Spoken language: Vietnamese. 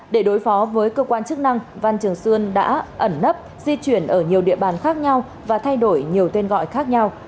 để đối phó với cơ quan chức năng văn trường sơn đã ẩn nấp di chuyển ở nhiều địa bàn khác nhau và thay đổi nhiều tên gọi khác nhau